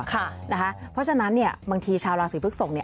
เพราะฉะนั้นเนี่ยบางทีชาวราศิพฤกษกษ์เนี่ย